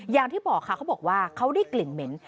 อย่างที่บอกค่ะเขาบอกว่าเขาได้กลิ่นเหม็น